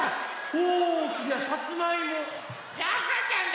おおきなさつまいも！